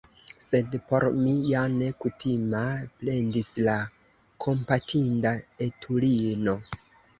"Sed por mi ja ne kutima," plendis la kompatinda etulino.